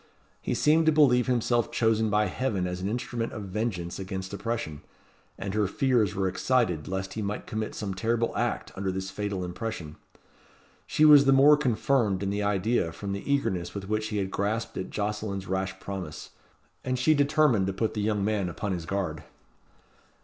He seemed to believe himself chosen by Heaven as an instrument of vengeance against oppression; and her fears were excited lest he might commit some terrible act under this fatal impression. She was the more confirmed in the idea from the eagerness with which he had grasped at Jocelyn's rash promise, and she determined to put the young man upon his guard.